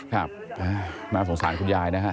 ครับน่าสงสารคุณยายนะฮะ